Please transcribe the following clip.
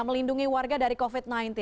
melindungi warga dari covid sembilan belas